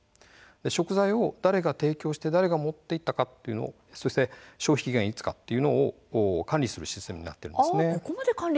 食材を誰が提供して誰が持っていったかそして消費期限はいつかというのを管理するシステムになっているんです。